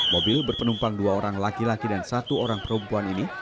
mobil berpenumpang dua orang laki laki dan satu orang perempuan ini